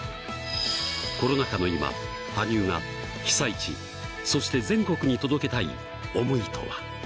コロナ禍の今、羽生が被災地、そして全国に届けたい想いとは。